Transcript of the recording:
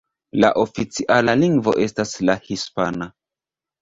La oficiala lingvo estas la hispana.